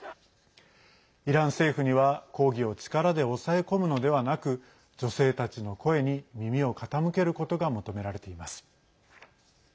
イラン政府には抗議を力で抑え込むのではなく女性たちの声に耳を傾けることが求められています。